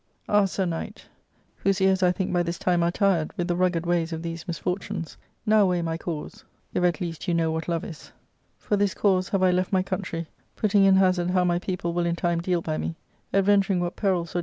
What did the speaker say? Ah, sir knight^ whose ears I think by this time are tired with the rugged ways of these misfortunes, now weigh my cause, if at least you know whal_^x£^. For this cause have I left my country, putting in hazard how my people will in time deal by me, adventuring what , perils or